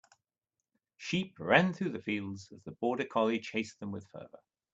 Sheep ran through the fields as the border collie chased them with fervor.